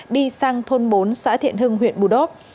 đi sang thôn bốn xã thiện hưng huyện bù đốp